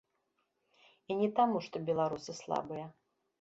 І не таму, што беларусы слабыя.